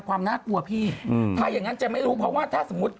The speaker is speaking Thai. ดูไม่ใส่แมสเขาก็จำเสียงผมแมดได้อยู่ดี